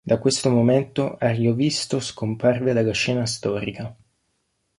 Da questo momento Ariovisto scomparve dalla scena storica.